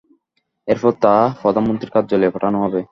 এরপর তা প্রধানমন্ত্রীর কার্যালয়ে পাঠানো হবে।